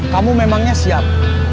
kamu memangnya siap